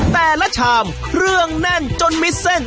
แต่ละชามเนื่องนั่งจนมิตรเส้น